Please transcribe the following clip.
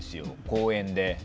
公園で。